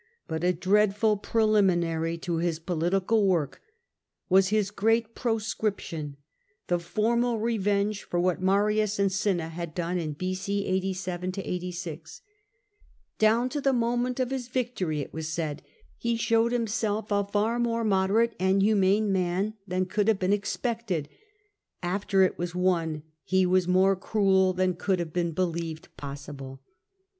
But a dreadful preliminary to his political work was his great Pro scription," the formal revenge for what Marius and Cinna had done in b.c. 87 86. '"Down to the moment of his victory," it was said, ''he showed himself far more moderate and humane uxian could have been expected; arter it was won, he was more cruel than could have been believed possible.